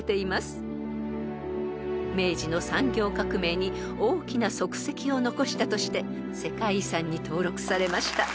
［明治の産業革命に大きな足跡を残したとして世界遺産に登録されました］